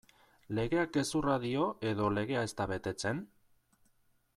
Legeak gezurra dio edo legea ez da betetzen?